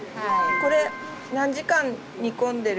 これ何時間煮込んでるんですか？